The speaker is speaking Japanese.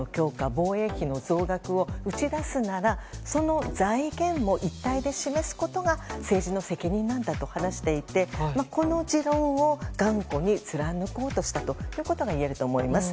防衛費の増額を打ち出すなら、その財源も一体で示すことが政治の責任なんだと話していてこの持論を頑固に貫こうとしたといえると思います。